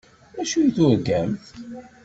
D acu i turgamt?